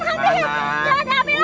pak jangan ambil